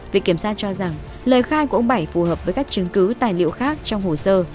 viện kiểm sát cho rằng lời khai của ông bảy phù hợp với các chứng cứ tài liệu khác trong hồ sơ